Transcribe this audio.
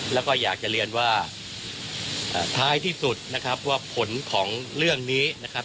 แล้วก็อยากจะเรียนว่าท้ายที่สุดนะครับว่าผลของเรื่องนี้นะครับ